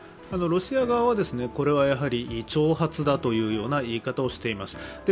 ロシア側は挑発だというような言い方をしています。